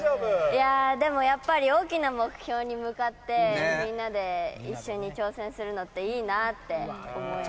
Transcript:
いやー、でもやっぱり大きな目標に向かって、みんなで一緒に挑戦するのっていいなって思います。